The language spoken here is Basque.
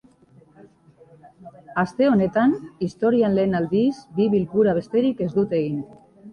Aste honetan, historian lehen aldiz, bi bilkura besterik ez dute egin.